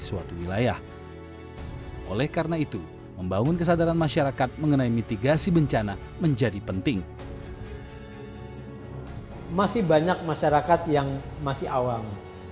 masih banyak masyarakat yang masih awam